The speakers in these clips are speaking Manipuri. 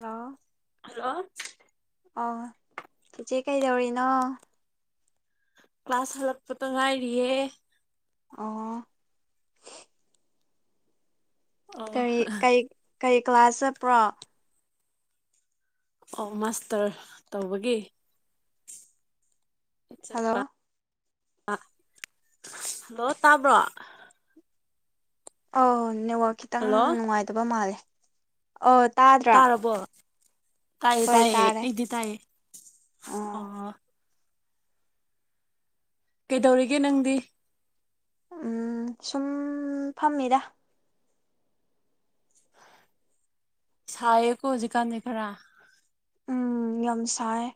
ꯍꯥꯎ ꯍꯜꯂꯣ ꯑꯥ ꯆꯤꯆꯦ ꯀꯩꯗꯧꯔꯤꯅꯣ ꯀ꯭ꯂꯥꯁ ꯍꯜꯂꯛꯄꯗ ꯉꯥꯏꯔꯤꯌꯦ ꯑꯣ ꯑꯣ ꯀꯔꯤ ꯀꯩ ꯀꯔꯤ ꯀ꯭ꯂꯥꯁ ꯆꯠꯄ꯭ꯔꯣ ꯑꯣ ꯃꯥꯁꯇꯔ ꯇꯧꯕꯒꯤ ꯍꯜꯂꯣ ꯆꯠꯄ ꯑꯥ ꯍꯜꯂꯣ ꯇꯥꯕ꯭ꯔꯣ ꯑꯣ ꯅꯦꯠꯋꯥꯛ ꯈꯤꯇꯪ ꯍꯜꯂꯣ ꯅꯨꯡꯉꯥꯏꯇꯕ ꯃꯥꯜꯂꯦ ꯑꯣ ꯇꯥꯗ꯭ꯔꯥ ꯇꯥꯕꯣ ꯇꯥꯏꯌꯦ ꯍꯣꯏ ꯇꯥꯏꯌꯦ ꯇꯥꯔꯦ ꯑꯩꯗꯤ ꯇꯥꯏꯌꯦ ꯑꯣ ꯀꯩꯗꯧꯔꯤꯒꯦ ꯅꯪꯗꯤ ꯎꯝ ꯁꯨꯝ ꯐꯝꯃꯤꯗ ꯁꯥꯌꯦꯀꯣ ꯍꯧꯖꯤꯛꯀꯥꯟꯗꯤ ꯈꯔ ꯎꯝ ꯌꯥꯝ ꯁꯥꯏꯌꯦ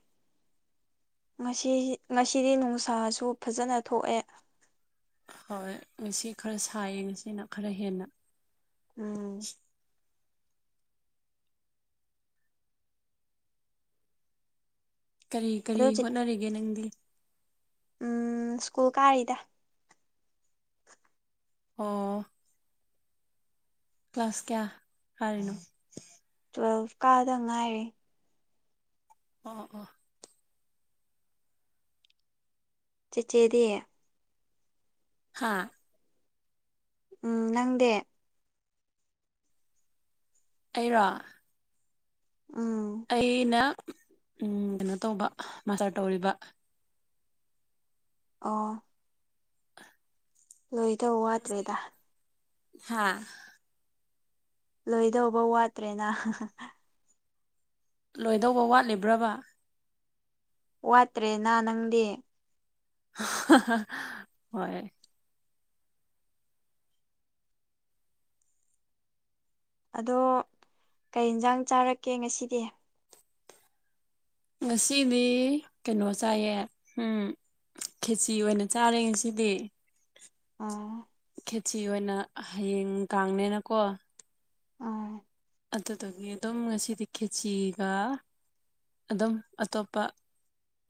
ꯉꯁꯤꯖꯤ ꯉꯁꯤꯗꯤ ꯅꯨꯡꯁꯥꯁꯨ ꯐꯖꯅ ꯊꯣꯛꯑꯦ ꯍꯣꯏ ꯉꯁꯤ ꯈꯔ ꯁꯥꯏꯌꯦ ꯉꯁꯤꯅ ꯈꯔ ꯍꯦꯟꯅ ꯎꯝ ꯀꯔꯤ ꯀꯔꯤ ꯑꯗꯣ ꯆꯤ ꯍꯣꯠꯅꯔꯤꯒꯦ ꯅꯪꯗꯤ ꯎꯝ ꯁ꯭ꯀꯨꯜ ꯀꯥꯔꯤꯗ ꯑꯣ ꯀ꯭ꯂꯥꯁ ꯀꯌꯥ ꯀꯥꯔꯤꯅꯣ ꯇ꯭ꯋꯦꯜꯐ ꯀꯥꯗ ꯉꯥꯏꯔꯤ ꯑꯣ ꯑꯣ ꯆꯤꯆꯦꯗꯤ ꯍꯥꯥ ꯎꯝ ꯅꯪꯗꯤ ꯑꯩꯔꯣ ꯎꯝ ꯑꯩꯅ ꯎꯝ ꯀꯩꯅꯣ ꯇꯧꯕ ꯃꯥꯁꯇꯔ ꯇꯧꯔꯤꯕ ꯑꯣ [inaudible] ꯂꯣꯏꯗꯧ ꯋꯥꯠꯇ꯭ꯔꯦꯗ ꯍꯥꯥ ꯂꯣꯏꯗꯧꯕ ꯋꯥꯠꯇ꯭ꯔꯦꯅ ꯂꯣꯏꯗꯧꯕ ꯋꯥꯠꯂꯤꯕ꯭ꯔꯕ ꯋꯥꯠꯇ꯭ꯔꯦꯅ ꯅꯪꯗꯤ [unintelligible] ꯍꯣꯏ ꯑꯗꯣ ꯀꯩ ꯏꯟꯖꯥꯡ ꯆꯥꯔꯛꯀꯦ ꯉꯁꯤꯗꯤ ꯉꯁꯤꯗꯤ ꯀꯩꯅꯣ ꯆꯥꯏꯌꯦ ꯎꯝ ꯈꯦꯆꯤ ꯑꯣꯏꯅ ꯆꯥꯔꯦ ꯉꯁꯤꯗꯤ ꯑꯣ ꯈꯦꯆꯤ ꯑꯣꯏꯅ ꯍꯌꯦꯡ ꯀꯥꯡꯅꯦꯅꯀꯣ ꯑꯥ ꯑꯗꯨꯗꯒꯤ ꯑꯗꯨꯝ ꯉꯁꯤꯗꯤ ꯈꯦꯆꯤꯒ ꯑꯗꯨꯝ ꯑꯇꯣꯞꯄ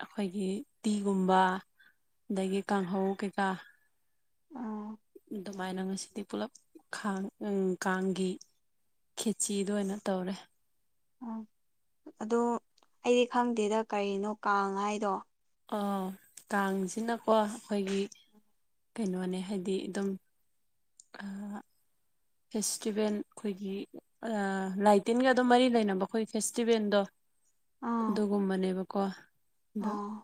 ꯑꯩꯈꯣꯏꯒꯤ ꯇꯤꯒꯨꯝꯕ ꯑꯗꯒꯤ ꯀꯥꯡꯍꯧ ꯀꯩꯀꯥ ꯑꯣ ꯗꯨꯃꯥꯏꯅ ꯉꯁꯤꯗꯤ ꯄꯨꯂꯞ ꯈꯥꯡ ꯎꯝ ꯀꯥꯡꯒꯤ ꯈꯦꯆꯤꯗꯨ ꯑꯣꯏꯅ ꯇꯧꯔꯦ ꯎꯝ ꯑꯗꯣ ꯑꯩꯗꯤ ꯈꯪꯗꯦꯗ ꯀꯔꯤꯅꯣ ꯀꯥꯡ ꯍꯥꯏꯗꯣ ꯑꯣ ꯀꯥꯡꯖꯤꯅꯀꯣ ꯑꯩꯈꯣꯏꯒꯤ ꯀꯩꯅꯣꯅꯦ ꯍꯥꯏꯗꯤ ꯑꯗꯨꯝ ꯑꯥ [inaudible] ꯐꯦꯁꯇꯤꯚꯦꯜ ꯑꯩꯈꯣꯏꯒꯤ ꯑꯥ ꯂꯥꯏ ꯇꯤꯟꯒ ꯑꯗꯨꯝ ꯃꯔꯤ ꯂꯩꯅꯕ ꯑꯩꯈꯣꯏ ꯐꯦꯁꯇꯤꯚꯦꯜꯗꯣ ꯑꯥ ꯑꯗꯨꯒꯨꯝꯕꯅꯦꯕꯀꯣ ꯑꯗꯣ ꯑꯥ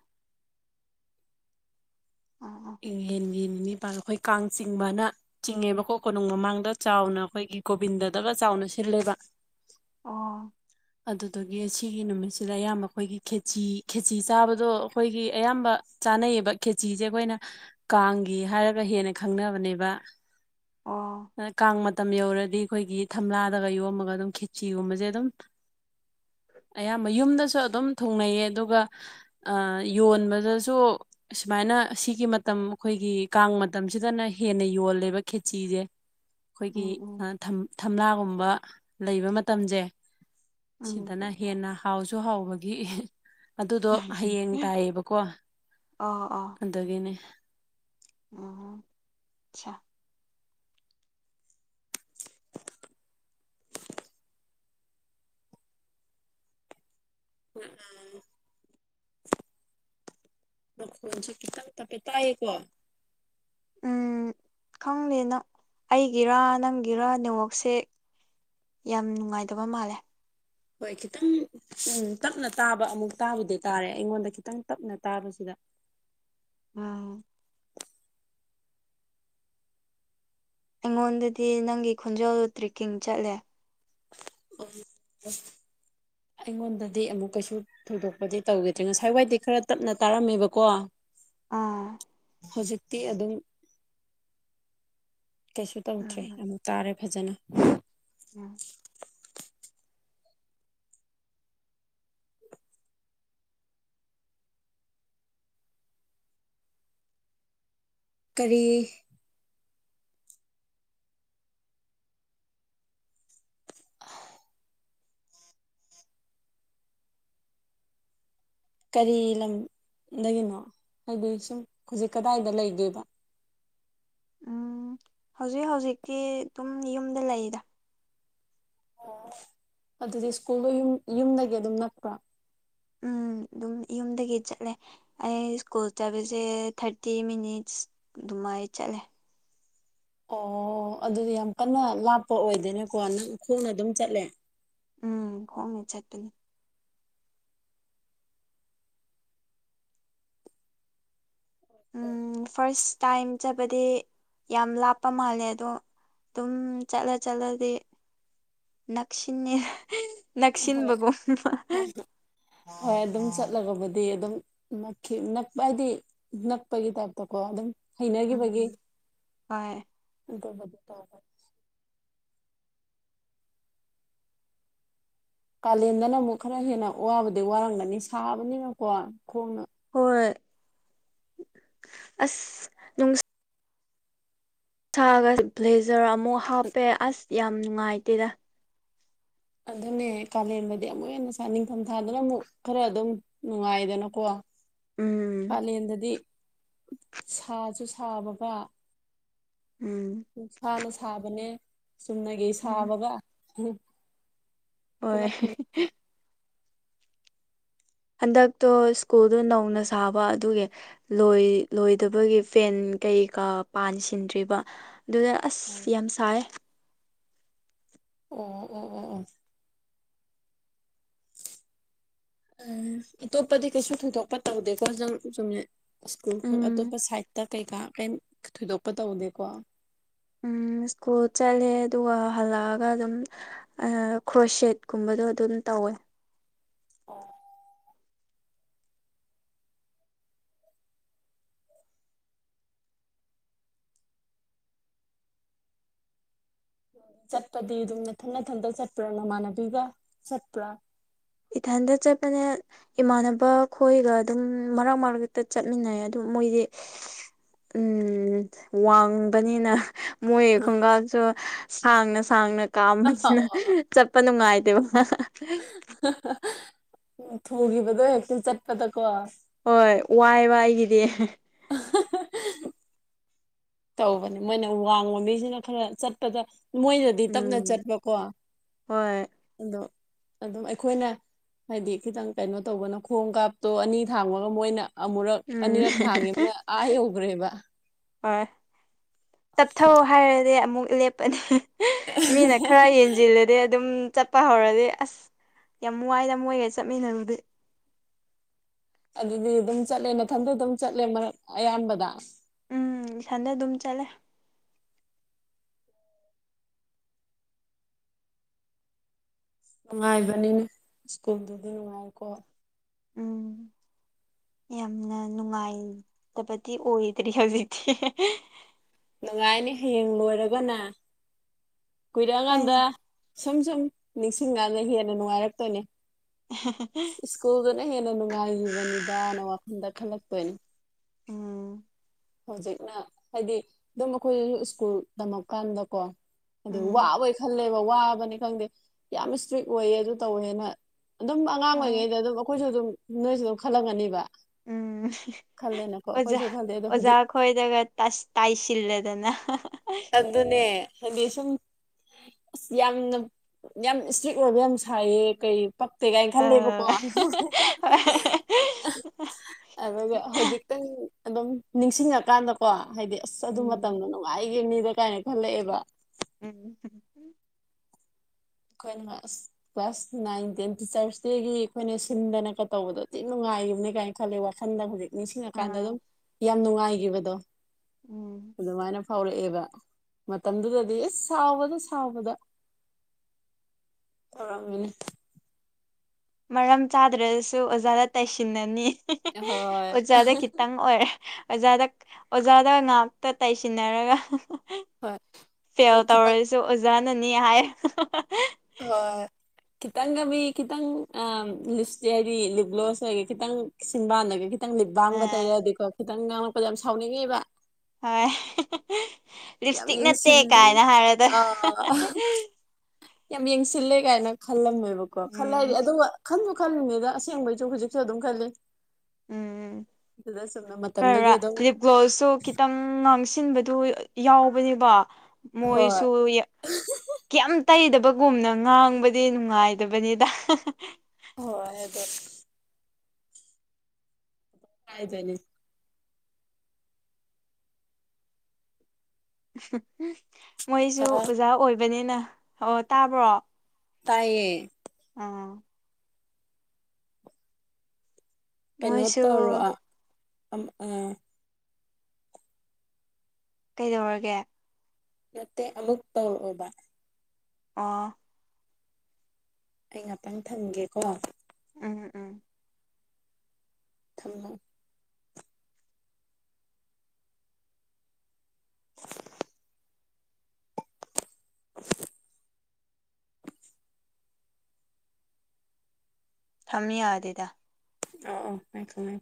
ꯑꯣ ꯑꯣ ꯢꯪꯉꯦꯟꯒꯤ ꯅꯤꯅꯤ ꯄꯥꯟꯕ ꯑꯩꯈꯣꯏ ꯀꯥꯡ ꯆꯤꯡꯕꯅ ꯆꯤꯡꯉꯦꯕꯀꯣ ꯀꯣꯅꯨꯡ ꯃꯃꯥꯡꯗ ꯆꯥꯎꯅ ꯑꯩꯈꯣꯏꯒꯤ ꯒꯣꯕꯤꯟꯗꯗꯒ ꯆꯥꯎꯅ ꯁꯤꯜꯂꯦꯕ ꯑꯣ ꯑꯗꯨꯗꯣꯒꯤ ꯑꯁꯤꯒꯤ ꯅꯨꯃꯤꯠꯁꯤꯗ ꯑꯌꯥꯝꯕ ꯑꯩꯈꯣꯏꯒꯤ ꯈꯦꯆꯤ ꯈꯦꯆꯤ ꯆꯥꯕꯗꯣ ꯑꯩꯈꯣꯏꯒꯤ ꯑꯌꯥꯝꯕ ꯆꯥꯅꯩꯌꯦꯕ ꯈꯦꯆꯤꯖꯦ ꯑꯩꯈꯣꯏꯅ ꯀꯥꯡꯒꯤ ꯍꯥꯏꯔꯒ ꯍꯦꯟꯅ ꯈꯪꯅꯕꯅꯦꯕ ꯑꯣ ꯀꯥꯡ ꯃꯇꯝ ꯌꯧꯔꯗꯤ ꯑꯩꯈꯣꯏꯒꯤ ꯊꯝꯂꯥꯗꯒ ꯌꯣꯝꯃꯒ ꯑꯗꯨꯝ ꯈꯦꯆꯤꯒꯨꯝꯕꯖꯦ ꯑꯗꯨꯝ ꯑꯌꯥꯝꯕ ꯌꯨꯝꯗꯁꯨ ꯑꯗꯨꯝ ꯊꯨꯡꯅꯩꯌꯦ ꯑꯗꯨꯒ ꯌꯣꯟꯕꯗꯁꯨ ꯑꯁꯨꯃꯥꯏꯅ ꯁꯤꯒꯤ ꯃꯇꯝ ꯑꯩꯈꯣꯏꯒꯤ ꯀꯥꯡ ꯃꯇꯝꯁꯤꯗꯅ ꯍꯦꯟꯅ ꯌꯣꯜꯂꯦꯕ ꯈꯦꯆꯤꯖꯦ [inaudible] ꯑꯩꯈꯣꯏꯒꯤ ꯎꯝ ꯑꯥ ꯊꯝ ꯊꯝꯂꯥꯒꯨꯝꯕ ꯂꯩꯕ ꯃꯇꯝꯖꯦ ꯎꯝ ꯁꯤꯗꯅ ꯍꯦꯟꯅ ꯍꯥꯎꯁꯨ ꯍꯥꯎꯕꯒꯤ ꯑꯗꯨꯗꯣ ꯍꯌꯦꯡ ꯇꯥꯏꯌꯦꯕꯀꯣ ꯑꯣ ꯑꯗꯨꯒꯤꯅꯦ ꯑꯣ ꯆꯥ ꯎꯝ ꯃꯈꯣꯟꯖꯦ ꯈꯤꯇꯪ ꯇꯞꯄꯦ ꯇꯥꯏꯌꯦꯀꯣ ꯎꯝ ꯈꯪꯗꯦꯗ ꯑꯩꯒꯤꯔ ꯅꯪꯒꯤꯔ ꯅꯦꯠꯋꯥ꯭ꯔꯛꯁꯦ ꯌꯥꯝ ꯅꯨꯡꯉꯥꯏꯇꯕ ꯃꯥꯜꯂꯦ ꯍꯣꯏ ꯈꯤꯇꯪ ꯎꯝ ꯇꯞꯅ ꯇꯥꯕ ꯑꯃꯨꯛ ꯇꯥꯕꯨꯗꯤ ꯇꯥꯔꯦ ꯑꯩꯉꯣꯟꯗ ꯈꯤꯇꯪ ꯇꯞꯅ ꯇꯥꯕꯁꯤꯗ ꯎꯝ ꯑꯩꯉꯣꯟꯗꯗꯤ ꯅꯪꯒꯤ ꯈꯣꯟꯖꯦꯜ ꯇ꯭ꯔꯦꯛꯀꯤꯡ ꯆꯠꯂꯦ ꯑꯩꯉꯣꯟꯗꯗꯤ ꯑꯃꯨꯛꯀꯁꯨ ꯊꯣꯏꯗꯣꯛꯄꯗꯤ ꯇꯧꯒꯤꯗ꯭ꯔꯦ ꯉꯁꯥꯏꯋꯥꯏꯗꯤ ꯈꯔ ꯇꯞꯅ ꯇꯥꯔꯝꯃꯦꯕꯀꯣ ꯑꯥ ꯍꯧꯖꯤꯛꯇꯤ ꯑꯗꯨꯝ ꯀꯩꯁꯨ ꯎꯝ ꯇꯧꯗ꯭ꯔꯦ ꯎꯝ ꯑꯃꯨꯛ ꯇꯥꯔꯦ ꯐꯖꯅ ꯎꯝ ꯀꯔꯤ ꯀꯔꯤ ꯂꯝꯗꯒꯤꯅꯣ ꯍꯥꯏꯗꯤ ꯁꯨꯝ ꯍꯧꯖꯤꯛ ꯀꯗꯥꯏꯗ ꯂꯩꯒꯦꯕ ꯎꯝ ꯍꯧꯖꯤꯛ ꯍꯧꯖꯤꯛꯇꯤ ꯑꯗꯨꯝ ꯌꯨꯝꯗ ꯂꯩꯗ ꯑꯣ ꯑꯗꯨꯗꯤ ꯁ꯭ꯀꯨꯜꯗꯣ ꯌꯨꯝ ꯌꯨꯝꯗꯒꯤ ꯑꯗꯨꯝ ꯅꯛꯄ꯭ꯔꯣ ꯎꯝ ꯑꯗꯨꯝ ꯌꯨꯝꯗꯒꯤ ꯆꯠꯂꯦ ꯑꯩ ꯁ꯭ꯀꯨꯜ ꯆꯠꯄꯁꯦ ꯊꯥꯔꯇꯤ ꯃꯤꯅꯤꯠꯁ ꯑꯗꯨꯃꯥꯏ ꯆꯠꯂꯦ ꯑꯣ ꯑꯗꯨꯗꯤ ꯌꯥꯝ ꯀꯟꯅ ꯂꯥꯞꯄ ꯑꯣꯏꯗꯦꯅꯦꯀꯣ ꯅꯪ ꯈꯣꯡꯅ ꯑꯗꯨꯝ ꯆꯠꯂꯦ ꯎꯝ ꯈꯣꯡꯅ ꯆꯠꯄꯅꯤ ꯎꯝ ꯐꯔꯁ ꯇꯥꯏꯝ ꯆꯠ ꯕꯗꯤ ꯌꯥꯝ ꯂꯥꯞꯄ ꯃꯥꯜꯂꯦ ꯑꯗꯣ ꯑꯗꯨꯝ ꯆꯠꯂ ꯆꯠꯂꯗꯤ ꯅꯛꯁꯤꯟꯅꯦ ꯍꯣꯏ ꯅꯛꯁꯤꯟꯕꯒꯨꯝꯕ ꯍꯣꯏ ꯑꯗꯨꯝ ꯆꯠꯂꯒꯕꯨꯗꯤ ꯑꯗꯨꯝ ꯅꯛꯈꯤ ꯅꯛꯄ ꯍꯥꯏꯗꯤ ꯅꯛꯄꯒꯤ ꯇꯥꯢꯞꯇ ꯀꯣ ꯑꯗꯨꯝ ꯍꯩꯅꯒꯤꯕꯒꯤ ꯎꯝ ꯍꯣꯏ ꯑꯗꯨꯕꯨꯗꯤ ꯇꯧꯕꯅꯦ ꯀꯥꯂꯦꯟꯗꯅ ꯑꯃꯨꯛ ꯈꯔ ꯍꯦꯟꯅ ꯋꯥꯕꯨꯗꯤ ꯋꯥꯔꯝꯒꯅꯤ ꯁꯥꯕꯅꯤꯅꯀꯣ ꯈꯣꯡꯅ ꯍꯣꯏ ꯑꯁ ꯅꯨꯡ ꯁꯥꯒ ꯕ꯭ꯂꯦꯖꯔ ꯑꯃꯨꯛ ꯍꯥꯞꯄꯦ ꯑꯁ ꯌꯥꯝ ꯅꯨꯡꯉꯥꯏꯇꯦꯗ ꯑꯗꯨꯅꯦ ꯀꯥꯂꯦꯟꯗꯗꯤ ꯑꯃꯨꯛ ꯍꯦꯟꯅ ꯆꯥꯅꯤꯡ ꯅꯤꯡꯊꯝ ꯊꯥꯗꯅ ꯑꯃꯨꯛ ꯈꯔ ꯑꯗꯨꯝ ꯅꯨꯡꯉꯥꯏꯗꯅꯀꯣ ꯎꯝ ꯀꯥꯂꯦꯟꯗꯗꯤ ꯁꯥꯖꯨ ꯁꯥꯕꯒ ꯎꯝ ꯅꯨꯡꯁꯥꯅ ꯁꯥꯕꯅꯦ ꯆꯨꯝꯅꯒꯤ ꯎꯝ ꯁꯥꯕꯒ ꯍꯝ ꯍꯣꯏ ꯍꯤꯍꯤ ꯍꯟꯗꯛꯇꯣ ꯁ꯭ꯀꯨꯜꯗꯣ ꯅꯧꯅ ꯁꯥꯕ ꯑꯗꯨꯒꯤ ꯂꯣꯏ ꯂꯣꯏꯗꯕꯒꯤ ꯐꯦꯟ ꯀꯩꯀꯥ ꯄꯥꯟꯁꯤꯟꯗ꯭ꯔꯤꯕ ꯗꯨꯅ ꯑꯁ ꯑꯣ ꯌꯥꯝ ꯁꯥꯌꯦ ꯑꯣ ꯑꯣ ꯑꯣ ꯑꯣ ꯑꯇꯣꯞꯄꯗꯤ ꯀꯩꯁꯨ ꯊꯣꯏꯗꯣꯛꯄ ꯇꯧꯗꯦꯀꯣ ꯅꯪ ꯆꯨꯝꯅ ꯁ꯭ꯀꯨꯜ ꯈꯛ ꯎꯝ ꯑꯇꯣꯞꯄ ꯁꯥꯏꯗꯇ ꯀꯩꯀꯥ ꯀꯩꯝ ꯊꯣꯏꯗꯣꯛꯄ ꯇꯧꯗꯦꯀꯣ ꯎꯝ ꯁ꯭ꯀꯨꯜ ꯆꯠꯂꯦ ꯑꯗꯨꯒ ꯍꯜꯂꯛ ꯑꯒ ꯑꯗꯨꯝ ꯈ꯭ꯔꯣꯠ ꯁꯦꯠꯀꯨꯝꯕꯗꯣ ꯑꯗꯨꯝ ꯇꯧꯋꯦ ꯑꯣ ꯆꯠꯄꯗꯤ ꯑꯗꯨꯝ ꯅꯊꯟ ꯅꯊꯟꯗ ꯆꯠꯄ꯭ꯔꯥ ꯅꯃꯥꯟꯅꯕꯤꯒ ꯆꯠꯄ꯭ꯔꯥ ꯏꯊꯟꯗ ꯆꯠꯄꯅꯦ ꯏꯃꯥꯟꯅꯕ ꯈꯣꯏꯒ ꯑꯗꯨꯝ ꯃꯔꯛ ꯃꯔꯛꯇ ꯆꯠꯃꯤꯟꯅꯩ ꯑꯗꯨꯝ ꯃꯣꯏꯗꯤ ꯎꯝ ꯋꯥꯡꯕꯅꯤꯅ ꯃꯣꯏ ꯈꯣꯡꯀꯥꯞꯁꯨ ꯁꯥꯡꯅ ꯁꯥꯡꯅ ꯀꯥꯝꯕꯅꯤꯅ ꯑ ꯆꯠꯄ ꯅꯨꯡꯉꯥꯏꯇꯦꯕ ꯍꯥ ꯍꯥ ꯍꯥ ꯍꯥ ꯍꯥ ꯎ ꯊꯨꯒꯤꯕꯗꯣ ꯍꯦꯛꯇ ꯆꯠꯄꯗꯀꯣ ꯍꯣꯏ ꯋꯥꯏꯌꯦꯕ ꯑꯩꯒꯤꯗꯤ ꯑꯍꯥ ꯍꯥ ꯇꯧꯕꯅꯦ ꯃꯣꯏꯅ ꯋꯥꯡꯕ ꯃꯤꯁꯤꯅ ꯈꯔ ꯆꯠꯄꯗ ꯃꯣꯏꯅ ꯇꯞꯅ ꯎꯝ ꯆꯠꯄ ꯀꯣ ꯍꯣꯏ ꯑꯗꯣ ꯑꯗꯨꯝ ꯑꯩꯈꯣꯏꯅ ꯍꯥꯏꯗꯤ ꯈꯤꯇꯪ ꯀꯩꯅꯣ ꯇꯧꯕꯅ ꯈꯣꯡ ꯀꯥꯞꯇꯣ ꯑꯅꯤ ꯊꯥꯡꯕꯒ ꯃꯣꯏꯅ ꯑꯃꯨꯔꯛ ꯎꯝ ꯑꯅꯤꯔꯛ ꯊꯥꯡꯈꯤꯕꯅ ꯑꯥ ꯌꯧꯒ꯭ꯔꯦꯕ ꯍꯣꯏ ꯇꯞꯊꯧ ꯍꯥꯏꯔꯗꯤ ꯑꯃꯨꯛ ꯂꯦꯞꯄꯅꯤ ꯃꯤꯅ ꯈꯔ ꯌꯦꯟꯁꯤꯜꯂꯗꯤ ꯑꯗꯨꯝ ꯆꯠꯄ ꯍꯧꯔꯗꯤ ꯑꯁ ꯌꯥꯝ ꯋꯥꯏꯗ ꯃꯣꯏꯒ ꯆꯠꯃꯤꯟꯅꯕꯗꯤ ꯑꯗꯨꯗꯤ ꯑꯗꯨꯝ ꯆꯠꯂꯦ ꯃꯊꯟꯗ ꯑꯗꯨꯝ ꯆꯠꯂꯦ ꯃꯔꯛ ꯑꯌꯥꯝꯕꯗ ꯎꯝ ꯏꯊꯟꯗ ꯑꯗꯨꯝ ꯆꯠꯂꯦ ꯅꯨꯡꯉꯥꯏꯕꯅꯤꯅꯦ ꯁ꯭ꯀꯨꯜꯗꯨꯗꯤ ꯅꯨꯡꯉꯥꯏꯀꯣ ꯎꯝ ꯌꯥꯝꯅ ꯅꯨꯡꯉꯥꯏꯇꯕꯗꯤ ꯑꯣꯏꯗ꯭ꯔꯤ ꯍꯧꯖꯤꯛꯇꯤ ꯍꯤ ꯍꯤ ꯍꯤ ꯅꯨꯡꯉꯥꯏꯅꯤ ꯍꯌꯦꯡ ꯂꯣꯏꯔꯒꯅ ꯀꯨꯏꯔꯛ ꯑꯀꯥꯟꯗ ꯍꯣꯏꯅꯦ ꯁꯨꯝ ꯁꯨꯝ ꯅꯤꯡꯁꯤꯡꯉꯒꯥ ꯍꯦꯟꯅ ꯅꯨꯡꯉꯥꯏꯔꯛꯇꯣꯏꯅꯦ [unintelligible] ꯁ꯭ꯀꯨꯜꯗꯨꯅ ꯍꯦꯟꯅ ꯅꯨꯡꯉꯥꯏꯈꯤꯕꯅꯤꯗꯅ ꯋꯥꯈꯟꯗ ꯈꯜꯂꯛꯇꯣꯏꯅꯤ ꯎꯝ ꯍꯧꯖꯤꯛꯅ ꯍꯥꯏꯗꯤ ꯑꯗꯨꯝ ꯑꯩꯈꯣꯏꯁꯨ ꯁ꯭ꯀꯨꯜ ꯇꯝꯃꯛꯀꯥꯟꯗꯀꯣ ꯑꯗꯨ ꯎꯝ ꯋꯥꯕꯒꯤ ꯈꯜꯂꯦꯕ ꯋꯥꯕꯅꯤ ꯈꯪꯗꯦ ꯌꯥꯝ ꯏꯁꯇ꯭ꯔꯤꯛ ꯑꯣꯏꯌꯦ ꯑꯗꯨ ꯇꯧꯋꯦꯅ ꯑꯗꯨꯝ ꯑꯉꯥꯡ ꯍꯣꯏ ꯑꯣꯏꯔꯤꯉꯩꯗ ꯑꯗꯨꯝ ꯑꯩꯈꯣꯏꯁꯨ ꯑꯗꯨꯝ ꯅꯣꯏꯁꯨ ꯑꯗꯨꯝ ꯈꯜꯂꯝꯒꯅꯤꯕ ꯎꯝ ꯈꯜꯂꯦꯅꯀꯣ ꯑꯣꯖꯥ ꯑꯩꯈꯣꯏꯁꯨ ꯈꯜꯂꯦ ꯑꯗꯣ ꯑꯣꯖꯥ ꯍꯧꯖꯤꯛ ꯈꯣꯏꯗꯒ ꯇꯥꯏꯁꯤꯜꯂꯗꯅ ꯑꯗꯨꯅꯦ ꯍꯥꯏꯗꯤ ꯁꯨꯝ ꯑꯁ ꯌꯥꯝꯅ ꯌꯥꯝ ꯏꯁꯇ꯭ꯔꯤꯛ ꯑꯣꯏꯕ ꯌꯥꯝ ꯁꯥꯏꯌꯦ ꯀꯩ ꯄꯛ ꯇꯦ ꯒꯥꯏ ꯑ ꯈꯜꯂꯦꯕ ꯀꯣ ꯑꯗꯨꯒ ꯍꯧꯖꯤꯛꯛꯇꯪ ꯑꯗꯨꯝ ꯅꯤꯡꯁꯤꯡꯉꯀꯥꯟꯗꯀꯣ ꯍꯥꯏꯗꯤ ꯑꯁ ꯑꯗꯨ ꯎꯝ ꯃꯇꯝꯗ ꯅꯨꯡꯉꯥꯏꯈꯤꯕꯅꯤ ꯀꯥꯏꯅ ꯈꯜꯂꯛꯑꯦꯕ [unintelligible] ꯈꯣꯏꯅ ꯑꯁ ꯀ꯭ꯂꯥꯁ ꯅꯥꯏꯟ ꯇꯦꯟ ꯇꯤꯆꯔꯁ ꯗꯦꯒꯤ ꯑꯩꯈꯣꯏꯅ ꯁꯤꯟꯗꯅ ꯀ ꯇꯧꯕꯗꯣ ꯊꯤꯅ ꯅꯨꯡꯉꯥꯏꯈꯤꯕꯅꯦ ꯀꯥꯏꯅ ꯋꯥꯜꯂꯦ ꯋꯥꯈꯜꯗ ꯍꯧꯖꯤꯛ ꯅꯤꯡꯁꯤꯡꯉꯀꯥꯟꯗ ꯑꯥ ꯑꯗꯨꯝ ꯌꯥꯝ ꯅꯨꯡꯉꯥꯏꯈꯤꯕꯗꯣ ꯎꯝ ꯑꯗꯨꯃꯥꯏꯅ ꯐꯥꯎꯔꯛꯑꯦꯕ ꯃꯇꯝꯗꯨꯗꯗꯤ ꯑꯤꯁ ꯁꯥꯎꯕꯗ ꯁꯥꯎꯕꯗ ꯇꯧꯔꯝꯃꯤꯅꯤ ꯃꯔꯝ ꯆꯥꯗ꯭ꯔꯁꯨ ꯑꯣꯖꯥꯗ ꯇꯩꯏꯁꯤꯟꯅꯅꯤ ꯍꯤ ꯍꯤ ꯍꯣꯏ ꯑꯣꯖꯥꯗ ꯈꯤꯇꯪ ꯑꯣꯏꯔꯦ ꯑꯣꯖꯥꯗ ꯑꯣꯖꯥꯗ ꯉꯥꯛꯇ ꯇꯩꯁꯤꯟꯅꯔꯒ ꯐꯦꯜ ꯍꯣꯏ ꯈꯤꯇꯪ ꯇꯧꯔꯁꯤ ꯗꯨ ꯑꯣꯖꯥꯅꯅꯤ ꯍꯥꯏꯔꯦ ꯍꯣꯏ ꯈꯤꯇꯪꯒ ꯃꯤ ꯈꯤꯇꯪ ꯑꯥ ꯂꯤꯞꯁ ꯍꯥꯏꯗꯤ ꯂꯤꯞ ꯒ꯭ꯂꯣꯁ ꯑꯣꯏꯔꯒ ꯈꯤꯇꯪ ꯆꯤꯟꯕꯥꯟꯗꯒ ꯈꯤꯇꯪ ꯂꯤꯕꯥꯝꯒ ꯑꯥ ꯇꯧꯔꯗꯤꯀꯣ ꯈꯤꯇꯪ ꯉꯥꯡꯉꯛꯄꯗ ꯌꯥꯝ ꯁꯥꯎꯅꯤꯡꯉꯤꯕ ꯍꯣꯏ ꯌꯥꯝ ꯂꯤꯞꯁꯇꯤꯛ ꯅꯠꯇꯦ ꯌꯦꯡꯁꯤꯜꯂꯤ ꯀꯥꯏꯅ ꯍꯥꯏꯔꯗ ꯑꯥ ꯌꯥꯝ ꯌꯦꯡꯁꯤꯜꯂꯦ ꯀꯥꯏꯅ ꯈꯜꯂꯝꯃꯦꯕꯀꯣ ꯈꯜꯂꯦ ꯎꯝ ꯑꯗꯨꯒ ꯈꯟꯕꯨ ꯈꯜꯂꯤꯅꯤꯗ ꯑꯁꯦꯡꯕꯩꯁꯨ ꯍꯧꯖꯤꯛꯁꯨ ꯑꯗꯨꯝ ꯈꯜꯂꯤ ꯎꯝ ꯑꯗꯨꯗ ꯁꯨꯝꯅ ꯀꯔ ꯃꯇꯝꯗꯨꯒꯤ ꯑꯗꯨꯝ ꯂꯤꯞ ꯒ꯭ꯂꯣꯁꯁꯨ ꯈꯤꯇꯪ ꯉꯥꯡꯁꯤꯟꯕꯗꯨ ꯌꯥꯎꯕꯅꯦꯕ ꯃꯣꯏꯁꯨ ꯍꯣꯏ ꯌꯥ ꯀꯦꯝ ꯇꯩꯗꯕꯒꯨꯝꯅ ꯉꯥꯡꯕꯗꯤ ꯅꯨꯡꯉꯥꯏꯗꯕꯅꯤꯗ ꯍꯣꯏ ꯑꯗꯣ ꯀꯥꯏꯗꯣꯏꯅꯤ ꯃꯣꯏꯖꯨ ꯑꯣ ꯑꯣꯖꯥ ꯑꯣꯏꯕꯅꯤꯅ ꯑꯣ ꯇꯥꯕ꯭ꯔꯣ ꯇꯥꯏꯌꯦ ꯑꯣ ꯀꯩꯅꯣ ꯃꯣꯏꯁꯨ ꯇꯧꯔꯣ ꯑꯥ ꯑꯝ ꯑꯥ ꯀꯩꯗꯧꯔꯒꯦ ꯅꯠꯇꯦ ꯑꯃꯨꯛ ꯇꯧꯔꯛꯑꯣꯕ ꯑꯣ ꯑꯩ ꯉꯥꯛꯇꯪ ꯊꯝꯒꯦꯀꯣ ꯎꯝ ꯎꯝ ꯊꯝꯃꯣ [inaudible] [inaudible] ꯊꯝ ꯌꯥꯗꯦꯗ ꯑꯣ ꯑꯣ ꯑꯩ ꯈꯪꯉꯦ